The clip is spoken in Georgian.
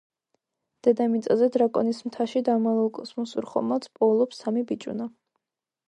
დედამიწაზე, დრაკონის მთაში დამალულ კოსმოსურ ხომალდს პოულობს სამი ბიჭუნა.